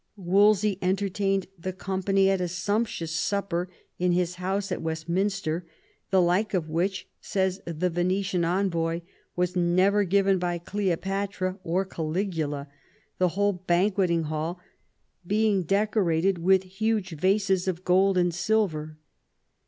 Wolsey entertained the company at a sumptuous supper in his house at Westminster, "the like of which," says the Venetian envoy, " was never given by Cleopatra or Caligula, the whole banqueting hall being decorated with huge vases of gold and silver."